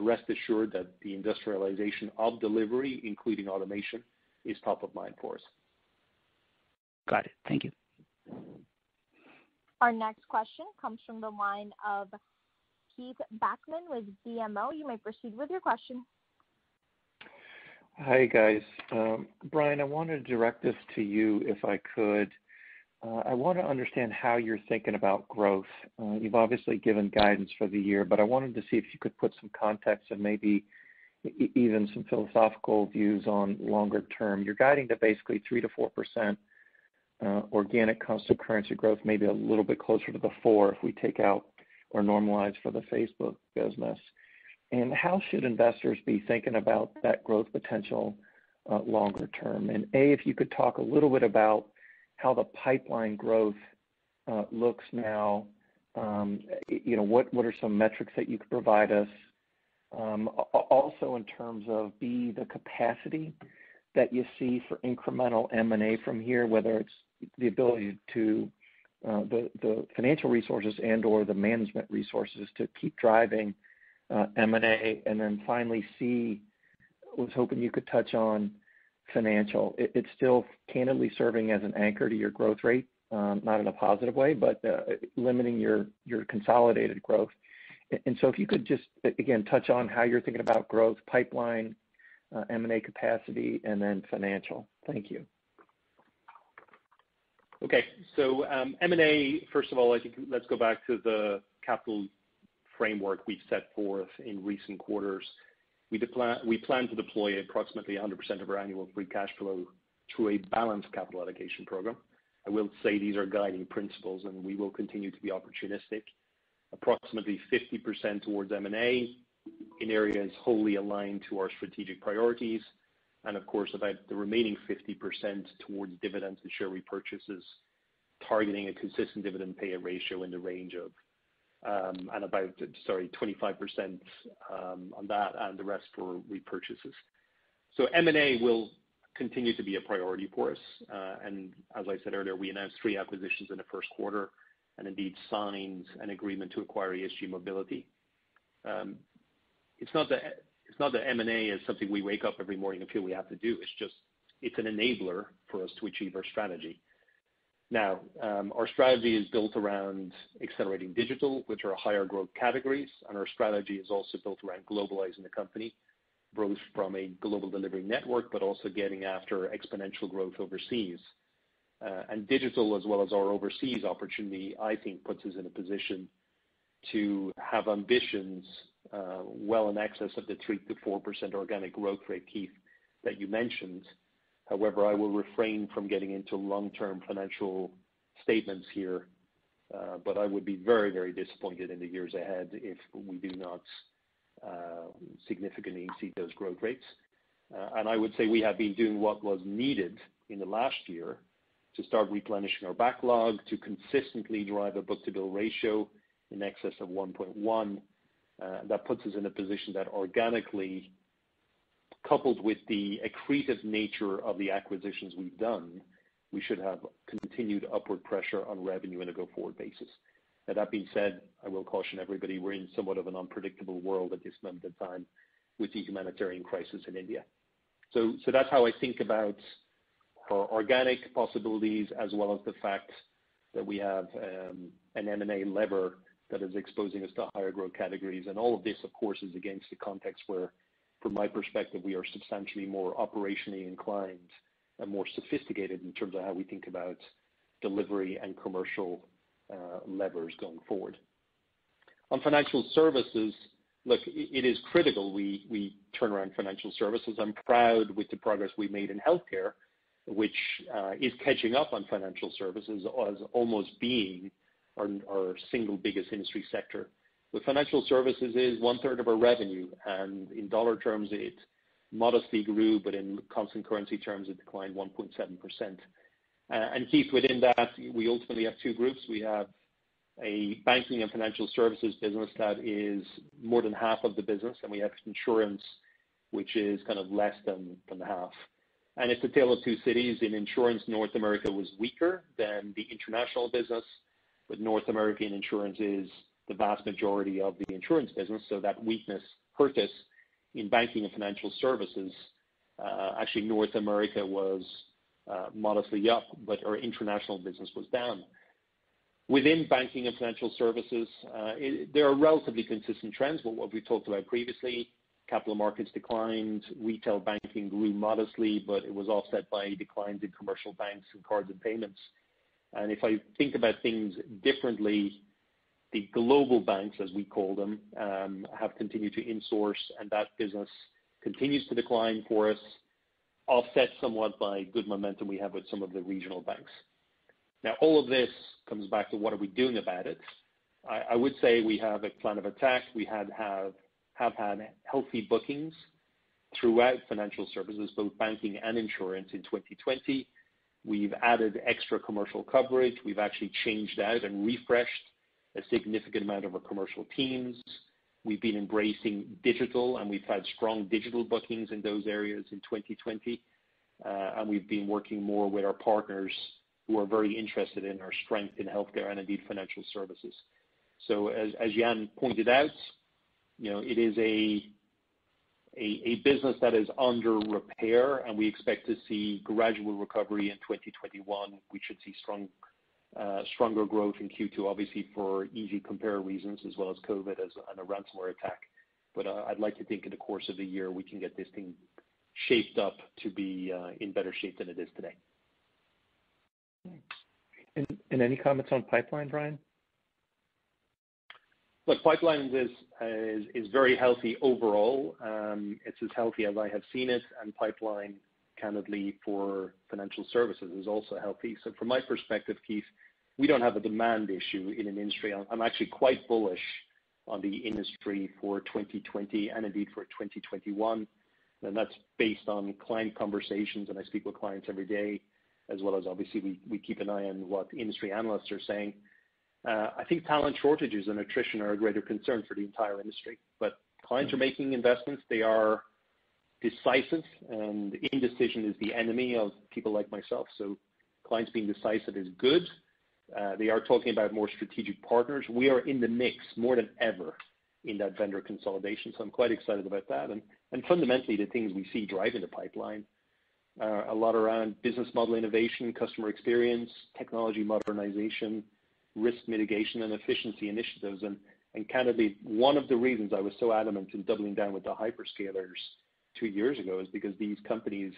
Rest assured that the industrialization of delivery, including automation, is top of mind for us. Got it. Thank you. Our next question comes from the line of Keith Bachman with BMO. Hi, guys. Brian, I want to direct this to you, if I could. I want to understand how you're thinking about growth. You've obviously given guidance for the year. I wanted to see if you could put some context and maybe even some philosophical views on longer term. You're guiding to basically 3%-4% organic constant currency growth, maybe a little bit closer to the four if we take out or normalize for the Facebook. How should investors be thinking about that growth potential longer term? A, if you could talk a little bit about how the pipeline growth looks now. What are some metrics that you could provide us? Also in terms of, B, the capacity that you see for incremental M&A from here, whether it's the ability to the financial resources and/or the management resources to keep driving M&A. Finally, C, I was hoping you could touch on financial. It's still candidly serving as an anchor to your growth rate, not in a positive way, but limiting your consolidated growth. If you could just, again, touch on how you're thinking about growth pipeline, M&A capacity, and then financial. Thank you. Okay. M&A, first of all, I think let's go back to the capital framework we've set forth in recent quarters. We plan to deploy approximately 100% of our annual free cash flow through a balanced capital allocation program. I will say these are guiding principles, and we will continue to be opportunistic. Approximately 50% towards M&A in areas wholly aligned to our strategic priorities. Of course, about the remaining 50% towards dividends and share repurchases, targeting a consistent dividend pay ratio in the range of about, sorry, 25% on that and the rest for repurchases. M&A will continue to be a priority for us. As I said earlier, we announced three acquisitions in the first quarter, and indeed signed an agreement to acquire ESG Mobility. It's not that M&A is something we wake up every morning and feel we have to do. It's just, it's an enabler for us to achieve our strategy. Now, our strategy is built around accelerating digital, which are higher growth categories, and our strategy is also built around globalizing the company, both from a global delivery network, but also getting after exponential growth overseas. Digital as well as our overseas opportunity, I think, puts us in a position to have ambitions well in excess of the 3%-4% organic growth rate, Keith, that you mentioned. However, I will refrain from getting into long-term financial statements here, but I would be very disappointed in the years ahead if we do not significantly exceed those growth rates. I would say we have been doing what was needed in the last year to start replenishing our backlog, to consistently drive a book-to-bill ratio in excess of 1.1. That puts us in a position that organically, coupled with the accretive nature of the acquisitions we've done, we should have continued upward pressure on revenue on a go-forward basis. That being said, I will caution everybody, we're in somewhat of an unpredictable world at this moment in time with the humanitarian crisis in India. That's how I think about our organic possibilities, as well as the fact that we have an M&A lever that is exposing us to higher growth categories. All of this, of course, is against the context where, from my perspective, we are substantially more operationally inclined and more sophisticated in terms of how we think about delivery and commercial levers going forward. On financial services, look, it is critical we turn around financial services. I'm proud with the progress we've made in healthcare, which is catching up on financial services as almost being our single biggest industry sector. Financial services is one-third of our revenue, and in dollar terms, it modestly grew, but in constant currency terms, it declined 1.7%. Keith, within that, we ultimately have two groups. We have a banking and financial services business that is more than half of the business, and we have insurance, which is kind of less than half. It's the tale of two cities. In insurance, North America was weaker than the international business, but North American insurance is the vast majority of the insurance business, so that weakness hurt us in banking and financial services. Actually, North America was modestly up, but our international business was down. Within banking and financial services, there are relatively consistent trends with what we talked about previously. Capital markets declined, retail banking grew modestly, but it was offset by declines in commercial banks and cards and payments. If I think about things differently, the global banks, as we call them, have continued to insource, and that business continues to decline for us, offset somewhat by good momentum we have with some of the regional banks. Now all of this comes back to what are we doing about it? I would say we have a plan of attack. We have had healthy bookings throughout financial services, both banking and insurance, in 2020. We've added extra commercial coverage. We've actually changed out and refreshed a significant amount of our commercial teams. We've been embracing digital, and we've had strong digital bookings in those areas in 2020. We've been working more with our partners who are very interested in our strength in healthcare and indeed financial services. As Jan pointed out, it is a business that is under repair, and we expect to see gradual recovery in 2021. We should see stronger growth in Q2, obviously, for easy compare reasons as well as COVID and a ransomware attack. I'd like to think in the course of the year, we can get this thing shaped up to be in better shape than it is today. Any comments on pipeline, Brian? Look, pipelines is very healthy overall. It's as healthy as I have seen it, and pipeline, candidly, for financial services is also healthy. From my perspective, Keith, we don't have a demand issue in an industry. I'm actually quite bullish on the industry for 2020 and indeed for 2021, and that's based on client conversations, and I speak with clients every day as well as obviously, we keep an eye on what industry analysts are saying. I think talent shortages and attrition are a greater concern for the entire industry. Clients are making investments. They are decisive, and indecision is the enemy of people like myself, so clients being decisive is good. They are talking about more strategic partners. We are in the mix more than ever in that vendor consolidation, so I'm quite excited about that. Fundamentally, the things we see driving the pipeline, a lot around business model innovation, customer experience, technology modernization, risk mitigation, and efficiency initiatives. Candidly, one of the reasons I was so adamant in doubling down with the hyperscalers two years ago is because these companies,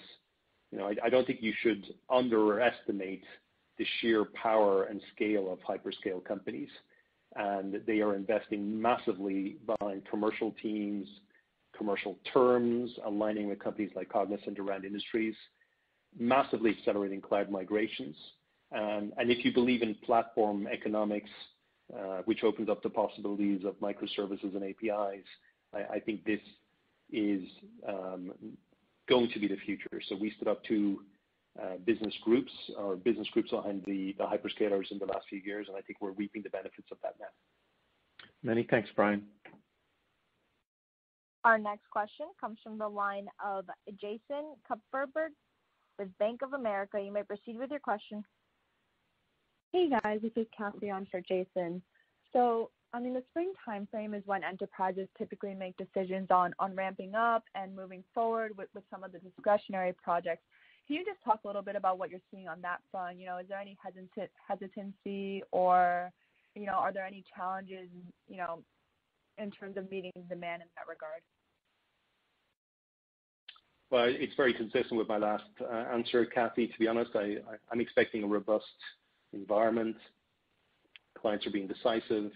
I don't think you should underestimate the sheer power and scale of hyperscale companies. They are investing massively behind commercial teams, commercial terms, aligning with companies like Cognizant around industries, massively accelerating cloud migrations. If you believe in platform economics, which opens up the possibilities of microservices and APIs, I think this is going to be the future. We stood up two business groups behind the hyperscalers in the last few years, and I think we're reaping the benefits of that now. Many thanks, Brian. Our next question comes from the line of Jason Kupferberg with Bank of America. You may proceed with your question. Hey, guys. This is Kathy on for Jason. The springtime frame is when enterprises typically make decisions on ramping up and moving forward with some of the discretionary projects. Can you just talk a little bit about what you're seeing on that front? Is there any hesitancy or are there any challenges in terms of meeting demand in that regard? Well, it's very consistent with my last answer, Kathy, to be honest. I'm expecting a robust environment. Clients are being decisive.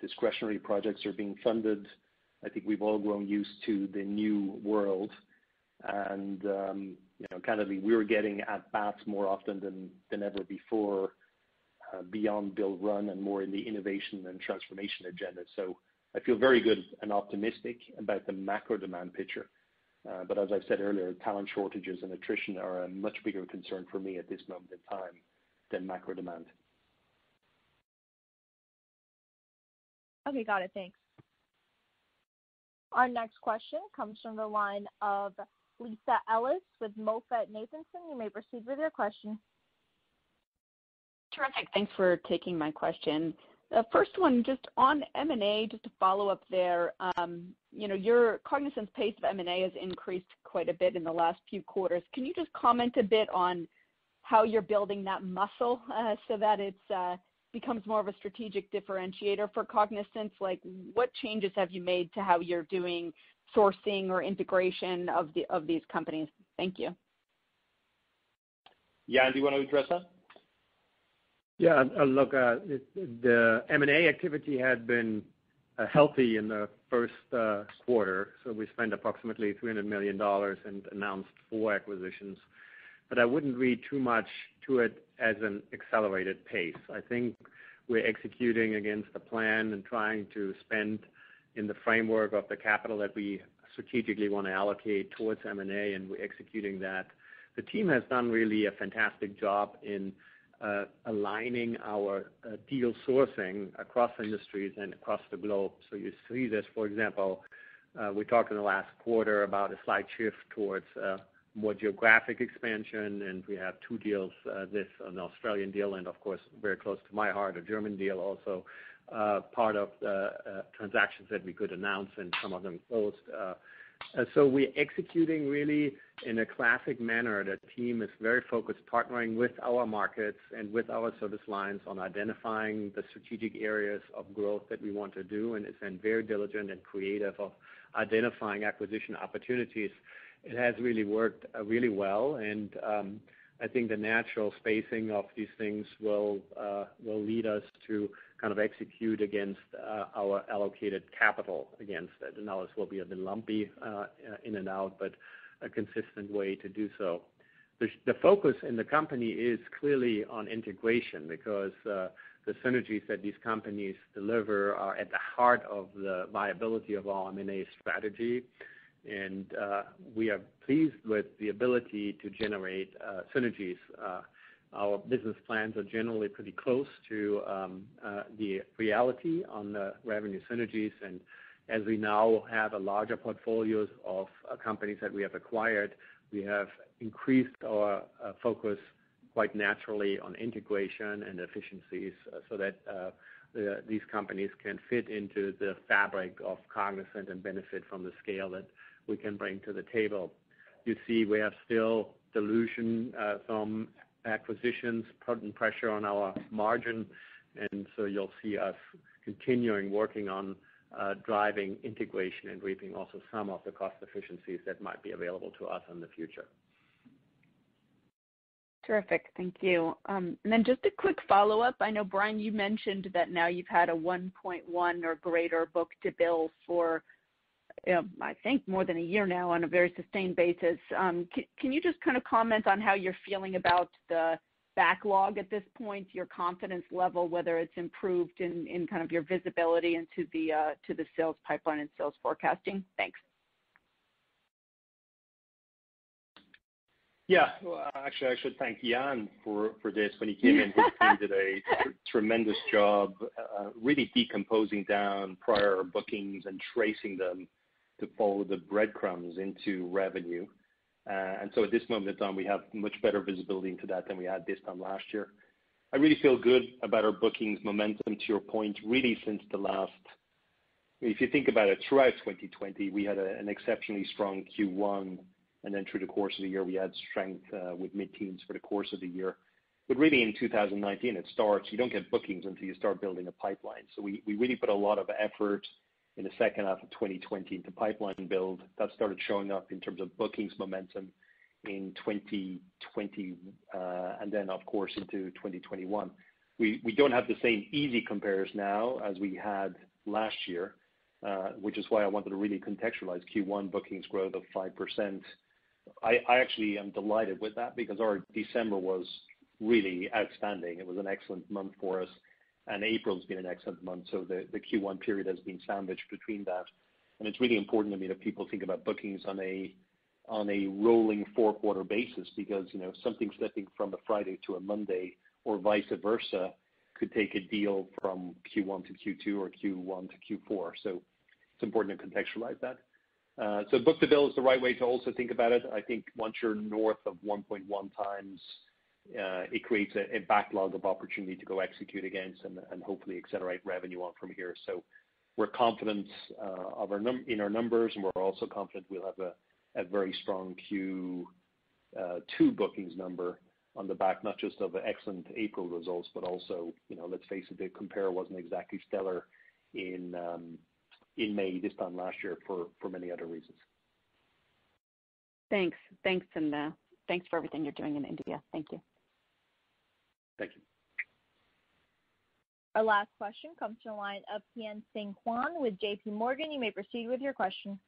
Discretionary projects are being funded. I think we've all grown used to the new world and, candidly, we're getting at bats more often than ever before, beyond build run and more in the innovation and transformation agenda. I feel very good and optimistic about the macro demand picture. As I've said earlier, talent shortages and attrition are a much bigger concern for me at this moment in time than macro demand. Okay, got it. Thanks. Our next question comes from the line of Lisa Ellis with MoffettNathanson. You may proceed with your question. Terrific. Thanks for taking my question. First one, just on M&A, just to follow up there. Cognizant's pace of M&A has increased quite a bit in the last few quarters. Can you just comment a bit on how you're building that muscle so that it becomes more of a strategic differentiator for Cognizant? Like, what changes have you made to how you're doing sourcing or integration of these companies? Thank you. Jan, do you want to address that? Look, the M&A activity had been healthy in the first quarter. We spent approximately $300 million and announced four acquisitions. I wouldn't read too much to it as an accelerated pace. I think we're executing against the plan and trying to spend in the framework of the capital that we strategically want to allocate towards M&A, and we're executing that. The team has done really a fantastic job in aligning our deal sourcing across industries and across the globe. You see this, for example, we talked in the last quarter about a slight shift towards more geographic expansion, and we have two deals, an Australian deal and of course, very close to my heart, a German deal also, part of the transactions that we could announce and some of them closed. We're executing really in a classic manner. The team is very focused, partnering with our markets and with our service lines on identifying the strategic areas of growth that we want to do, and it's been very diligent and creative of identifying acquisition opportunities. It has really worked really well, and I think the natural spacing of these things will lead us to execute against our allocated capital against it. Now this will be a bit lumpy in and out, but a consistent way to do so. The focus in the company is clearly on integration because the synergies that these companies deliver are at the heart of the viability of our M&A strategy. We are pleased with the ability to generate synergies. Our business plans are generally pretty close to the reality on the revenue synergies. As we now have a larger portfolios of companies that we have acquired, we have increased our focus quite naturally on integration and efficiencies so that these companies can fit into the fabric of Cognizant and benefit from the scale that we can bring to the table. You see, we have still dilution from acquisitions putting pressure on our margin. You'll see us continuing working on driving integration and reaping also some of the cost efficiencies that might be available to us in the future. Terrific. Thank you. Then just a quick follow-up. I know, Brian, you mentioned that now you've had a 1.1 or greater book-to-bill for, I think more than one year now on a very sustained basis. Can you just comment on how you're feeling about the backlog at this point, your confidence level, whether it's improved in your visibility into the sales pipeline and sales forecasting? Thanks. Yeah. Actually, I should thank Jan for this. When he came in, he's done a tremendous job really decomposing down prior bookings and tracing them to follow the breadcrumbs into revenue. At this moment in time, we have much better visibility into that than we had this time last year. I really feel good about our bookings momentum, to your point, really since the last If you think about it, throughout 2020, we had an exceptionally strong Q1, and then through the course of the year, we had strength with mid-teens for the course of the year. Really in 2019, it starts, you don't get bookings until you start building a pipeline. We really put a lot of effort in the second half of 2020 into pipeline build. That started showing up in terms of bookings momentum in 2020, and then, of course, into 2021. We don't have the same easy compares now as we had last year, which is why I wanted to really contextualize Q1 bookings growth of 5%. I actually am delighted with that because our December was really outstanding. It was an excellent month for us, and April's been an excellent month. The Q1 period has been sandwiched between that. It's really important to me that people think about bookings on a rolling four-quarter basis because something slipping from a Friday to a Monday or vice versa could take a deal from Q1 to Q2 or Q1 to Q4. It's important to contextualize that. Book-to-bill is the right way to also think about it. I think once you're north of 1.1 times, it creates a backlog of opportunity to go execute against and hopefully accelerate revenue on from here. We're confident in our numbers, and we're also confident we'll have a very strong Q2 bookings number on the back, not just of the excellent April results, but also, let's face it, the compare wasn't exactly stellar in May this time last year for many other reasons. Thanks. Thanks, and thanks for everything you're doing in India. Thank you. Thank you. Our last question comes from the line of Tien-Tsin Huang with JPMorgan. You may proceed with your question.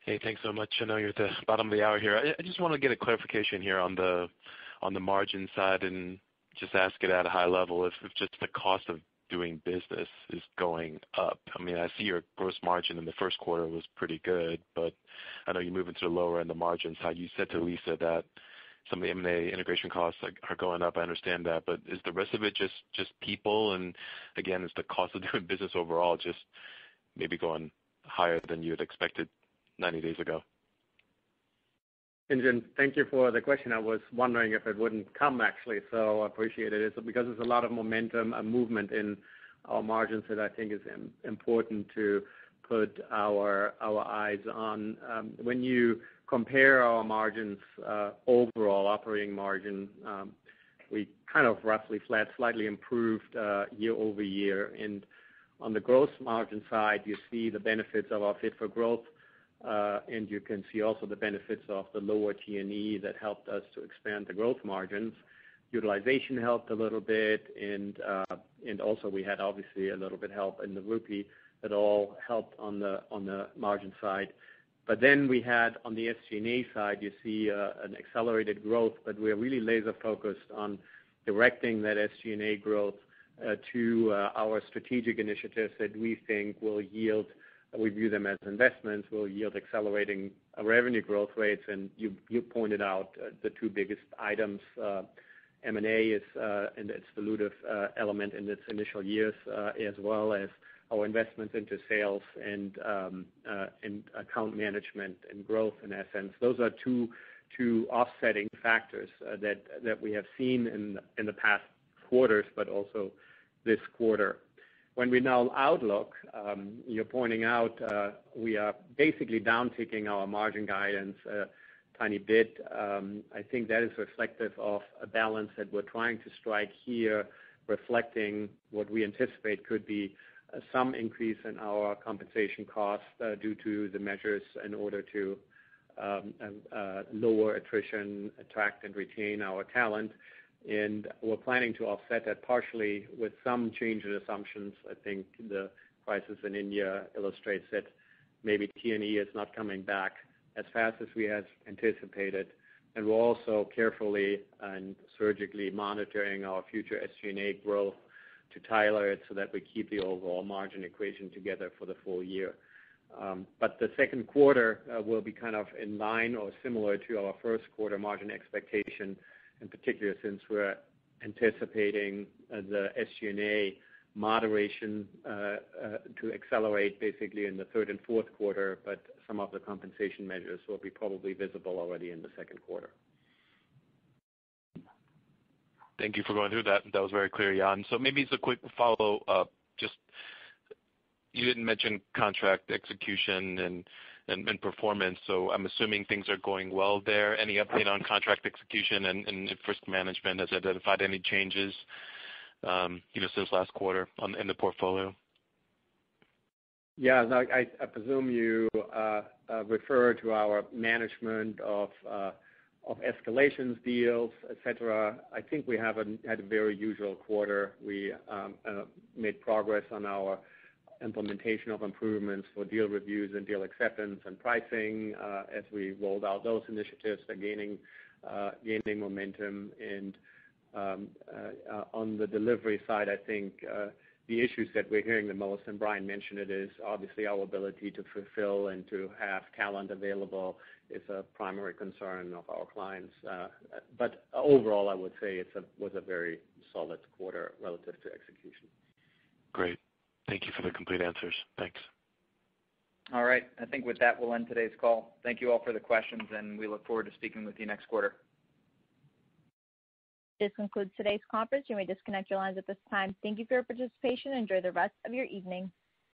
Hey, thanks so much. I know you're at the bottom of the hour here. I just want to get a clarification here on the margin side and just ask it at a high level if just the cost of doing business is going up. I see your gross margin in the first quarter was pretty good, but I know you're moving to the lower end of margins. How you said to Lisa that some of the M&A integration costs are going up, I understand that. Is the rest of it just people? Again, is the cost of doing business overall just maybe going higher than you had expected 90 days ago? Tien-Tsin Huang, thank you for the question. I was wondering if it wouldn't come, actually, I appreciate it. There's a lot of momentum and movement in our margins that I think is important to put our eyes on. When you compare our margins, overall operating margin, we roughly flat, slightly improved year-over-year. On the gross margin side, you see the benefits of our Fit for Growth, and you can see also the benefits of the lower T&E that helped us to expand the gross margins. Utilization helped a little bit, also we had, obviously, a little bit help in the rupee that all helped on the margin side. We had on the SG&A side, you see an accelerated growth, but we're really laser-focused on directing that SG&A growth to our strategic initiatives that we think will yield accelerating revenue growth rates. You pointed out the two biggest items, M&A and its dilutive element in its initial years, as well as our investments into sales and account management and growth in essence. Those are two offsetting factors that we have seen in the past quarters, but also this quarter. When we now outlook, you're pointing out we are basically downticking our margin guidance a tiny bit. I think that is reflective of a balance that we're trying to strike here, reflecting what we anticipate could be some increase in our compensation costs due to the measures in order to lower attrition, attract and retain our talent. We're planning to offset that partially with some change in assumptions. I think the crisis in India illustrates that. Maybe T&E is not coming back as fast as we had anticipated. We're also carefully and surgically monitoring our future SG&A growth to tailor it so that we keep the overall margin equation together for the full year. The second quarter will be in line or similar to our first quarter margin expectation, in particular, since we're anticipating the SG&A moderation to accelerate basically in the third and fourth quarter, but some of the compensation measures will be probably visible already in the second quarter. Thank you for going through that. That was very clear, Jan. Maybe just a quick follow-up. You didn't mention contract execution and performance, so I'm assuming things are going well there. Any update on contract execution and if risk management has identified any changes since last quarter in the portfolio? Yeah. I presume you refer to our management of escalations deals, et cetera. I think we had a very usual quarter. We made progress on our implementation of improvements for deal reviews and deal acceptance and pricing. As we rolled out those initiatives, they're gaining momentum. On the delivery side, I think, the issues that we're hearing the most, and Brian mentioned it, is obviously our ability to fulfill and to have talent available is a primary concern of our clients. Overall, I would say it was a very solid quarter relative to execution. Great. Thank you for the complete answers. Thanks. All right. I think with that, we'll end today's call. Thank you all for the questions, and we look forward to speaking with you next quarter. This concludes today's conference. You may disconnect your lines at this time. Thank you for your participation. Enjoy the rest of your evening.